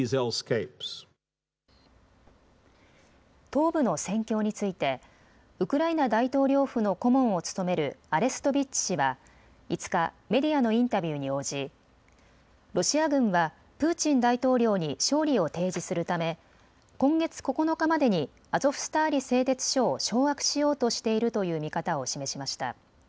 東部の戦況についてウクライナ大統領府の顧問を務めるアレストビッチ氏は５日、メディアのインタビューに応じロシア軍はプーチン大統領に勝利を提示するため今月９日までにアゾフスターリ製鉄所を掌握しようとしているという見方を示しました。